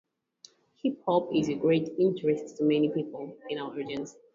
Hip-hop is of great interest to many people in our audience.